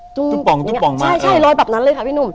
ตุ๊กป่องมาใช่ลอยแบบนั้นเลยค่ะพี่นุ่ม